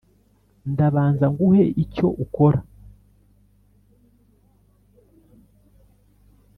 ndabanza nguhe icyo ukora